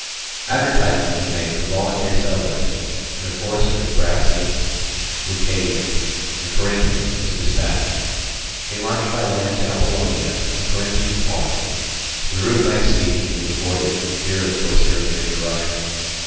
Advertisement was made for volunteer settlers, and a force of Ambraciots, Leucadians, and Corinthians was dispatched. They marched by land to Apollonia, a Corinthian colony, the route by sea being avoided from fear of Corcyraean interruption.